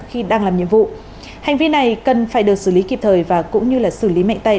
khi đang làm nhiệm vụ hành vi này cần phải được xử lý kịp thời và cũng như là xử lý mạnh tay